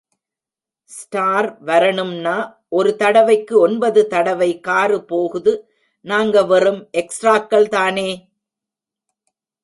Star வரணும்னா ஒரு தடவைக்கு ஒன்பது தடவை காரு போகுது நாங்க வெறும் எக்ஸ்ட்ராக்கள்தானே?.